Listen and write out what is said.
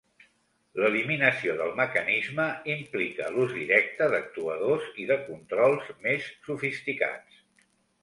L'eliminació del mecanisme implica l'ús directe d'actuadors i de controls més sofisticats.